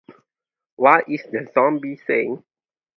What is the zombie saying?